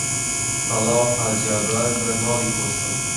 قەڵا و حاجیاباد بەر ماڵی کۆسە